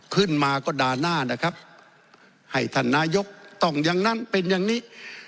ขึ้นมาก็ด่าหน้านะครับให้ท่านนายกต้องอย่างนั้นเป็นอย่างนี้